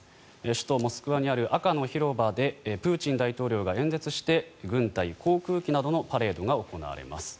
首都モスクワにある赤の広場でプーチン大統領が演説して軍隊、航空機などのパレードが行われます。